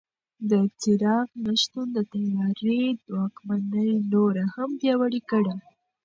د څراغ نه شتون د تیارې واکمني نوره هم پیاوړې کړه.